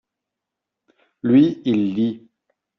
lui, il lit.